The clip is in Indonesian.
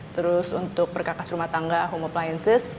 terus untuk perkakas rumah tangga home appliances